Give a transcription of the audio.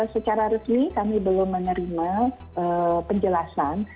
secara resmi kami belum menerima penjelasan